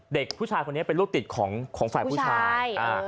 เด็กผู้ชายคนนี้เป็นลูกติดของฝ่ายผู้ชาย